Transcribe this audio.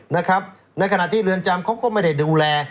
ในขณะที่เรือนจำเขาก็ไม่ได้ดูแล